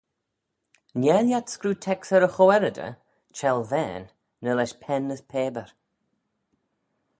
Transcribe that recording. Nhare lhiat screeu teks er y choearrooder, çhellvane, ny lesh pen as pabyr?